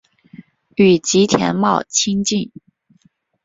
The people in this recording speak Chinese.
与吉田茂亲近。